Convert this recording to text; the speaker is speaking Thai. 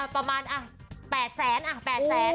ประมาณอ่ะแปดแสนอ่ะแปดแสน